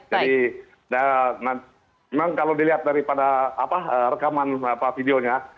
jadi memang kalau dilihat daripada rekaman videonya